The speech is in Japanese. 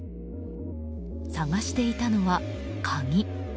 探していたのは、鍵。